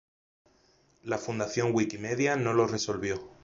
La Fundación Wikimedia no lo resolvió.